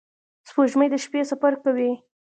• سپوږمۍ د شپې سفر کوي.